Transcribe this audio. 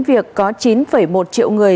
việc có chín một triệu người